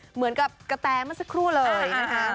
เหมือนกับกระแตเมื่อสักครู่เลยนะคะ